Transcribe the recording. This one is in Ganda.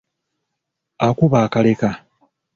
Akuba akaleka.